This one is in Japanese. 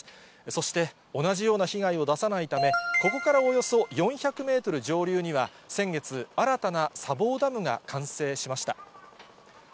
そして、同じような被害を出さないため、ここからおよそ４００メートル上流には、先月、新たな砂防ダムが完成しました。